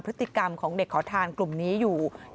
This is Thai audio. พฤติกรรมของเด็กขอทานกลุ่มนี้อยู่อย่างต่อเนื่องนะคะ